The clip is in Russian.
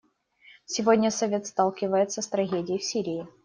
Сегодня Совет сталкивается с трагедией в Сирии.